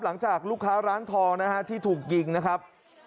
หลังจากลูกค้าร้านทองนะฮะที่ถูกยิงนะครับ